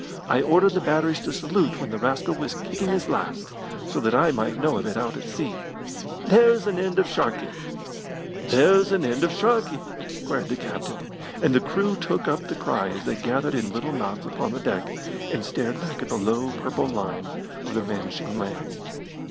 I ordered the batteries to salute when the rascal was kicking his last, so that I might know of it out at sea. There's an end of Sharkey!" "There's an end of Sharkey!" cried the captain; and the crew took up the cry as they gathered in little knots upon the deck and stared back at the low, purple line of the vanishing land.